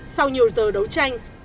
sau nhiều giờ đấu tranh